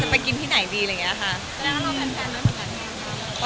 จะไปกินที่ไหนดีหละครับ